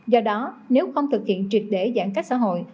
do đó nếu không thực hiện triệt để giãn cách xã hội